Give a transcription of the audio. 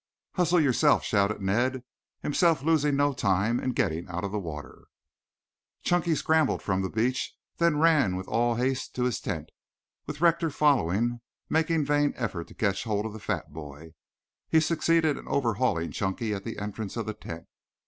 "Hustle yourself," shouted Ned, himself losing no time in getting out of the water. Chunky scrambled from the beach, then ran with all haste to his tent, with Rector following, making vain efforts to catch hold of the fat boy. He succeeded in overhauling Chunky at the entrance of the tent.